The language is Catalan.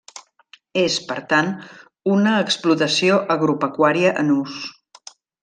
És, per tant, una explotació agropecuària en ús.